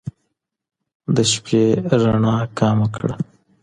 د شپې رڼا کمه کړه